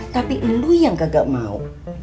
tapi lu yang kagak mau